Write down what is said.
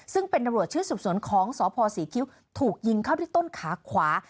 ซึ่งเป็นตำรวจชื่อสืบสวนของสพศรีคิ้วถูกยิงเข้าที่ต้นขาขวา